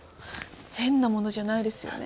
変なものじゃないですよね。